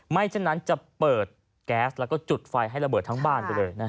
ไม่เช่นนั้นจะเปิดแก๊สแล้วก็จุดไฟให้ระเบิดทั้งบ้าน